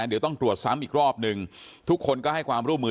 เดี๋ยวต้องตรวจซ้ำอีกรอบนึงทุกคนก็ให้ความร่วมมือ